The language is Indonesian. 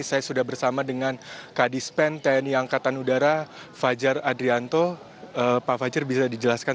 saya sudah bersama dengan kadis pen tni angkatan udara fajar adrianto pak fajar bisa dijelaskan